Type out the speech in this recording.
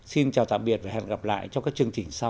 xin chào tạm biệt và hẹn gặp lại trong các chương trình sau